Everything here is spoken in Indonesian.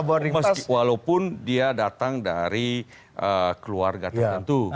walaupun dia datang dari keluarga tertentu